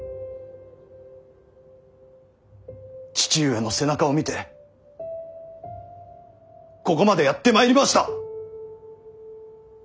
父上の背中を見てここまでやってまいりました。